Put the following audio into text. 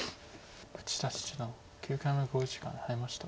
富士田七段９回目の考慮時間に入りました。